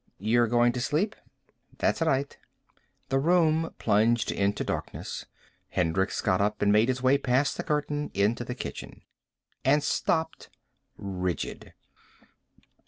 "You're going to sleep?" "That's right." The room plunged into darkness. Hendricks got up and made his way past the curtain, into the kitchen. And stopped, rigid.